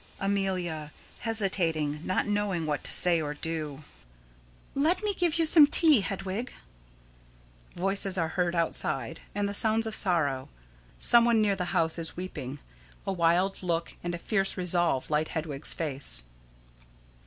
Amelia: [Hesitating, not knowing what to say or do.] Let me give you some tea, Hedwig. [_Voices are heard outside, and the sounds of sorrow. Some one near the house is weeping. A wild look and a fierce resolve light Hedwig's face.